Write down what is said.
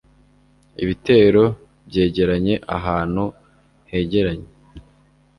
ibitero byegeranye ahantu hegeranye